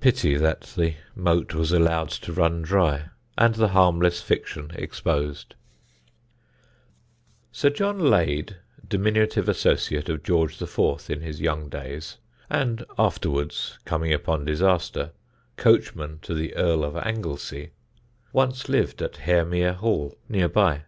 Pity that the moat was allowed to run dry and the harmless fiction exposed. [Sidenote: A WAGER] Sir John Lade, diminutive associate of George IV. in his young days (and afterwards, coming upon disaster, coachman to the Earl of Anglesey), once lived at Haremere Hall, near by.